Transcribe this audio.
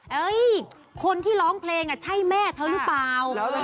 คนที่ร้องเพลงใช่แม่เธอหรือเปล่า